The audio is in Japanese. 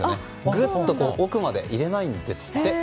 ぐっと奥まで入れないんですって。